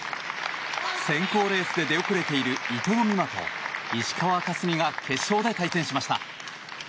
選考レースで出遅れている伊藤美誠と石川佳純が決勝で対戦しました。